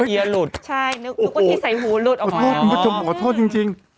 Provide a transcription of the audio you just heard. เอียหลุดใช่นึกว่าที่ใส่หูหลุดออกมาอ๋อขอโทษขอโทษจริงจริง